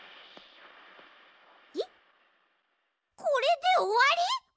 これでおわり？